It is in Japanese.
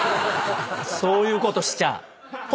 そういうことしちゃ。